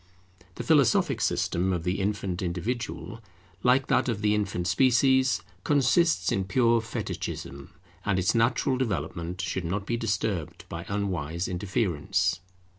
The philosophic system of the infant individual, like that of the infant species, consists in pure Fetichism, and its natural development should not be disturbed by unwise interference.